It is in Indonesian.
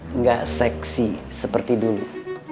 enggak seksi seperti dulu